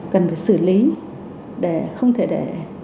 cần phải xử lý để không thể để